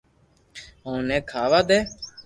او ني کاوا دي